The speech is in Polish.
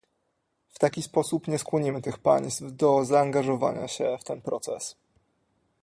W taki sposób nie skłonimy tych państw do zaangażowania się w ten proces